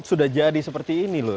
sudah jadi seperti ini loh